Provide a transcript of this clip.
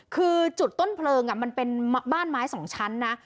คือจุดต้นเพลิงมันเป็นบ้านไม้๒ชั้นนะ